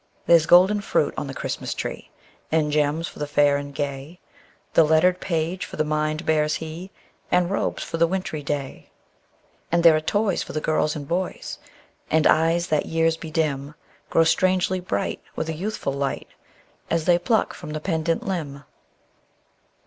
There's golden fruit on the Christmas tree, And gems for the fair and gay; The lettered page for the mind bears he, And robes for the wintry day. And there are toys for the girls and boys; And eyes that years bedim Grow strangely bright, with a youthful light, As they pluck from the pendant limb.